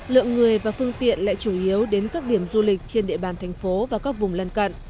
lượng người và phương tiện lại chủ yếu đến các điểm du lịch trên địa bàn thành phố và các vùng lân cận